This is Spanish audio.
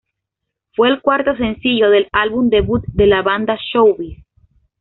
Fue el cuarto sencillo del álbum debut de la banda "Showbiz".